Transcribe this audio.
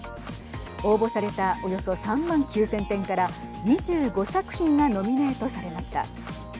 応募されたおよそ３万９０００点から２５作品がノミネートされました。